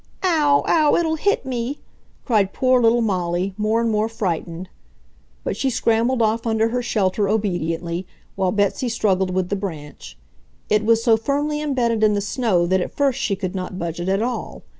"Ow! Ow, it'll hit me!" cried poor little Molly, more and more frightened. But she scrambled off under her shelter obediently, while Betsy struggled with the branch. It was so firmly imbedded in the snow that at first she could not budge it at all.